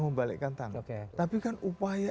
membalikkan tangan tapi kan upaya